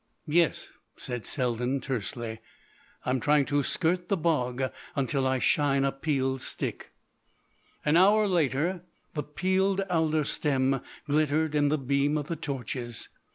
"Yes," said Selden tersely, "I'm trying to skirt the bog until I shine a peeled stick." An hour later the peeled alder stem glittered in the beam of the torches.